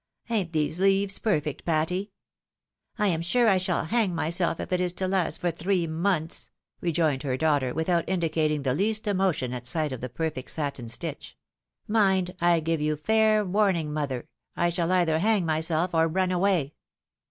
Ain't these leaves perfect, Patty ?"" I am sure I shall hang myself if it is to last for three months," rejoined her daughter, without indicating the least emotion at sight of the perfect satin stitch. " Mind ! I give you fair warning, mother ; I shall either hang myself or nm away."